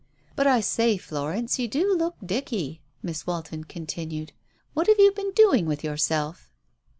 "But, I say, Florence, you do look dicky," Miss Walton continued. "What have you been doing with yourself